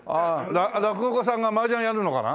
落語家さんが麻雀やるのかな？